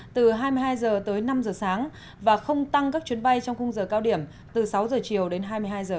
từ hai mươi hai h tới năm h sáng và không tăng các chuyến bay trong khung giờ cao điểm từ sáu giờ chiều đến hai mươi hai h